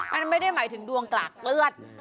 มันไม่ได้หมายถึงดวงกรากเลือด